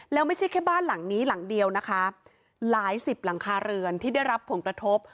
แล้วไม่ใช่แค่บ้านหลังนี้หลังเดียวนะคะหลายสิบหลังคาเรือนที่ได้รับผลกระทบ